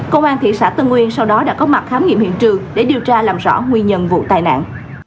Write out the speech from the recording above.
công an thị xã tân nguyên sau đó đã có mặt khám nghiệm hiện trường để điều tra làm rõ nguyên nhân vụ tai nạn